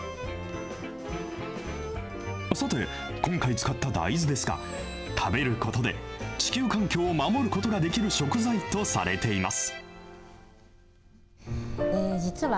さて、今回使った大豆ですが、食べることで地球環境を守ることができる食材とされています。